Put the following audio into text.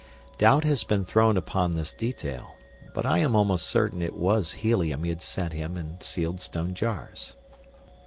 Doubt has been thrown upon this detail, but I am almost certain it was helium he had sent him in sealed stone jars.